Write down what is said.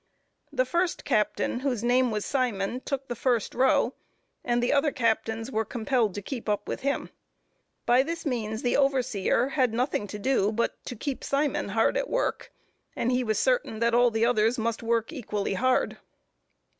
The first captain, whose name was Simon, took the first row and the other captains were compelled to keep up with him. By this means the overseer had nothing to do but to keep Simon hard at work, and he was certain that all the others must work equally hard.